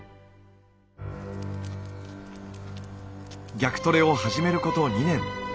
逆トレを始めること２年。